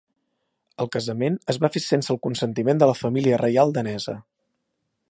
El casament es va fer sense el consentiment de la família reial danesa.